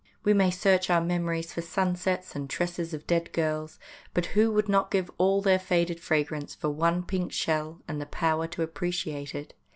We may search our memories for sunsets and tresses of dead girls, but who would not give all their faded fragrance for one pink shell and the power to appreciate it?